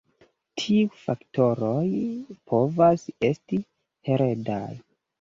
Tiuj faktoroj povas esti heredaj.